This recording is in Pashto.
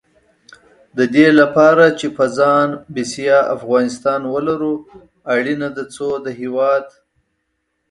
د دې لپاره چې په ځان بسیا افغانستان ولرو، اړینه ده څو د هېواد